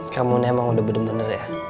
kamu ini emang udah bener bener ya